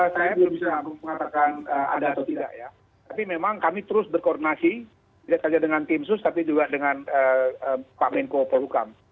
saya belum bisa mengatakan ada atau tidak ya tapi memang kami terus berkoordinasi tidak saja dengan tim sus tapi juga dengan pak menko polhukam